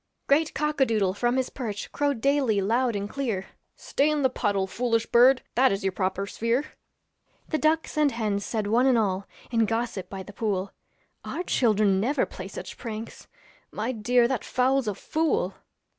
Great cock a doodle from his perch Crowed daily loud and clear, 'Stay in the puddle, foolish bird, That is your proper sphere.' The ducks and hens said, one and all, In gossip by the pool, 'Our children never play such pranks; My dear, that fowl's a fool.'